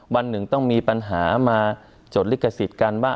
วันหนึ่งต้องมีปัญหามาจดลิขสิทธิ์กันว่า